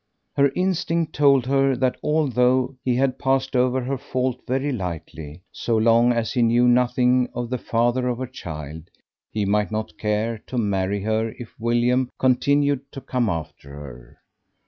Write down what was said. Her instinct told her that although he had passed over her fault very lightly, so long as he knew nothing of the father of her child, he might not care to marry her if William continued to come after her.